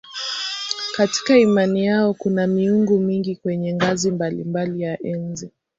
Katika imani yao kuna miungu mingi kwenye ngazi mbalimbali ya enzi.